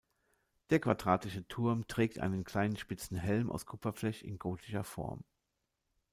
Der quadratische Turm trägt einen kleinen spitzen Helm aus Kupferblech in gotischer Form.